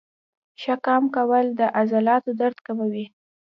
ښه قام کول د عضلاتو درد کموي.